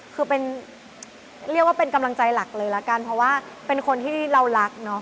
คือเป็นเรียกว่าเป็นกำลังใจหลักเลยละกันเพราะว่าเป็นคนที่เรารักเนาะ